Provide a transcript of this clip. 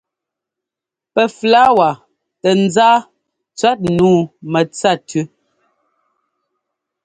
Pɛ flɔ̌wa tɛŋzá cʉ́ɛt nǔu mɛtsa tʉ.